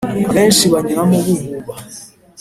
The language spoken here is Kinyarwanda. abenshi banyuramo bububa